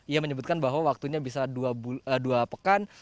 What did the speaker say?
ia menyebutkan bahwa waktunya bisa dua pekan